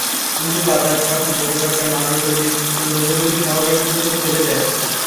কিন্তু বাতাস তখন উপত্যকার মানুষ ও জীব-জন্তুগুলোকে শহরবাসীদের উপর ফেলে দেয়।